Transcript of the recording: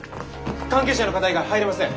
関係者の方以外入れません。